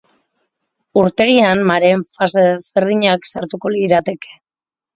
Urtegian mareen fase desberdinak sartuko lirateke.